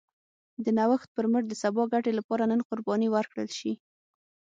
د نوښت پر مټ د سبا ګټې لپاره نن قرباني ورکړل شي.